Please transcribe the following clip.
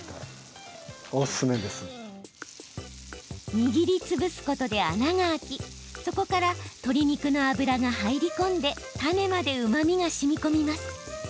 握りつぶすことで穴が開きそこから鶏肉の脂が入り込んで種までうまみが、しみこみます。